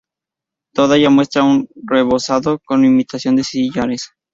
Toda ella muestra un rebozado con imitación de sillares.